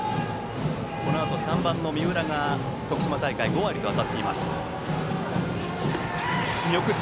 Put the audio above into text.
このあと３番の三浦が徳島大会５割と当たっています。